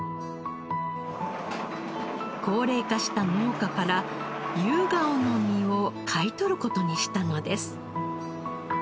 高齢化した農家からユウガオの実を買い取る事にしたのです。